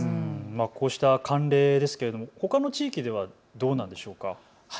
こうした慣例ですが、ほかの地域ではどうなんでしょうか。